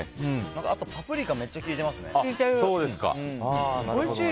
あと、パプリカめっちゃ効いてますね。